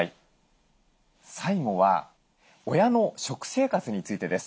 最後は親の食生活についてです。